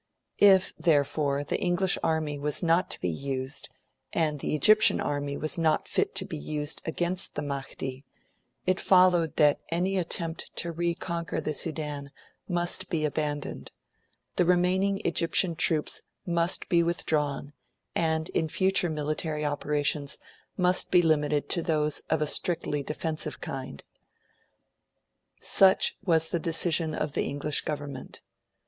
If, therefore, the English army was not to be used, and the Egyptian army was not fit to be used against the Mahdi, it followed that any attempt to reconquer the Sudan must be abandoned; the remaining Egyptian troops must be withdrawn, and in future military operations must be limited to those of a strictly defensive kind. Such was the decision of the English Government.